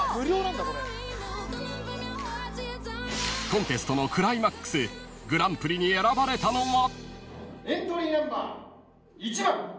［コンテストのクライマックスグランプリに選ばれたのは？］